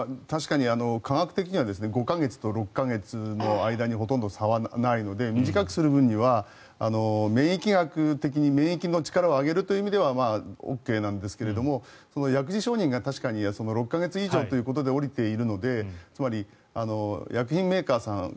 確かに科学的には５か月と６か月の間にはほとんど差がないので短くする分には免疫学的に免疫の力を上げるという意味ではＯＫなんですが薬事承認が、確かに６か月以上ということで降りているのでつまり薬品メーカーさん